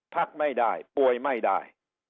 พักไม่ได้ป่วยไม่ได้